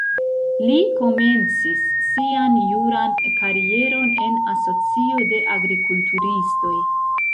Li komencis sian juran karieron en asocio de agrikulturistoj.